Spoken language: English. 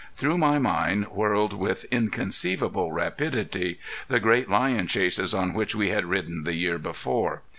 Through my mind whirled with inconceivable rapidity the great lion chases on which we had ridden the year before.